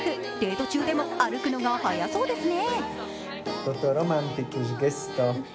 この夫婦、デート中でも歩くのが速そうですね。